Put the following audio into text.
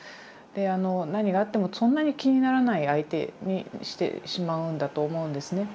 何があってもそんなに気にならない相手にしてしまうんだと思うんですね。